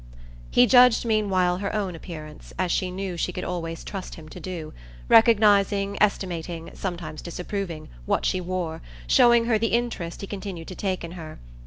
He judged meanwhile her own appearance, as she knew she could always trust him to do; recognising, estimating, sometimes disapproving, what she wore, showing her the interest he continued to take in her.